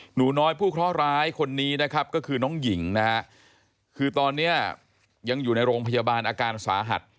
หนูน้อยผู้เคราะห์ร้ายคนนี้นะครับก็คือน้องหญิงนะฮะคือตอนนี้ยังอยู่ในโรงพยาบาลอาการสาหัส